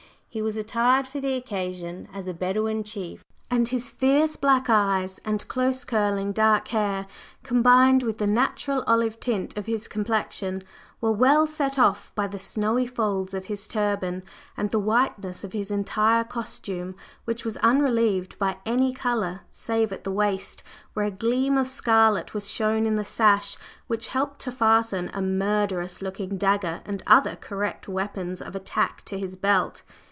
He was attired for the occasion as a Bedouin chief, and his fierce black eyes, and close curling, dark hair, combined with the natural olive tint of his complexion, were well set off by the snowy folds of his turban and the whiteness of his entire costume, which was unrelieved by any color save at the waist, where a gleam of scarlet was shown in the sash which helped to fasten a murderous looking dagger and other "correct" weapons of attack to his belt.